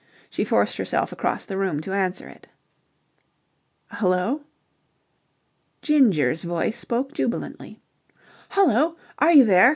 She forced herself across the room to answer it. "Hullo?" Ginger's voice spoke jubilantly. "Hullo. Are you there?